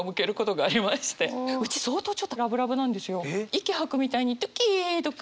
息吐くみたいに「とぅきー」とか。